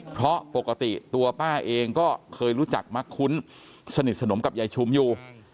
เพราะปกติตัวป้าเองก็เคยรู้จักมักคุ้นสนิทสนมกับยายชุมอยู่